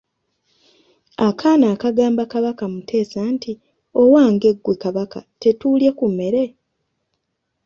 Akaana akagamba Kabaka Muteesa nti owange ggwe Kabaka tetuulye ku mmere!